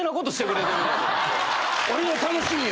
俺の楽しみを。